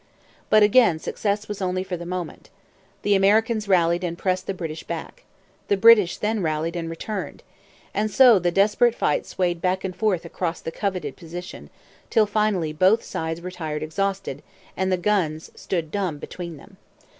But again success was only for the moment. The Americans rallied and pressed the British back. The British then rallied and returned. And so the desperate fight swayed back and forth across the coveted position; till finally both sides retired exhausted, and the guns stood dumb between them.